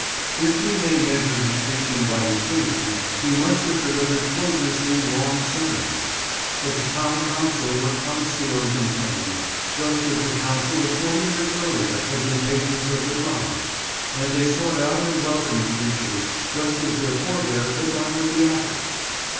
If we may measure his preaching by his drinking, he must have delivered poisonously long sermons. But the town council were connoisseurs in sermons, just as the council of forty years earlier had been patrons of the drama; and they sought out and welcomed preachers, just as their forbears had done with the actors.